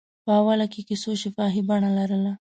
په اوله کې کیسو شفاهي بڼه لرله.